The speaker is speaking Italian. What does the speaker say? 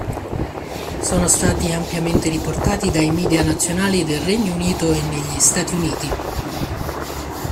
Sono stati ampiamente riportati dai media nazionali nel Regno Unito e negli Stati Uniti.